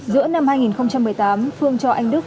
giữa năm hai nghìn một mươi tám phương cho anh đức